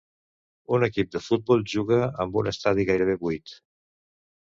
Un equip de futbol juga amb un estadi gairebé buit.